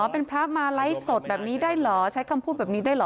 เป็นพระมาไลฟ์สดแบบนี้ได้เหรอใช้คำพูดแบบนี้ได้เหรอ